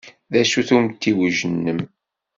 D acu-t umtiweg-nnem?